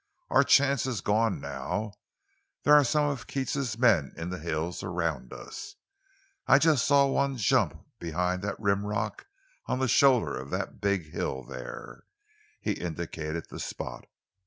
Our chance is gone, now. There are some of Keats's men in the hills, around us. I just saw one jump behind that rim rock on the shoulder of that big hill—there." He indicated the spot.